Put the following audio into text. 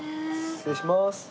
失礼します。